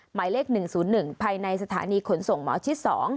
หมายเลข๑๐๑ภายในสถานีขนส่งหมอชิด๒